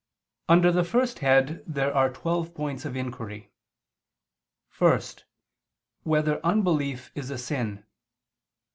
Under the first head there are twelve points of inquiry: (1) Whether unbelief is a sin?